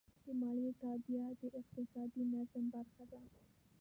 د مالیې تادیه د اقتصادي نظم برخه ده.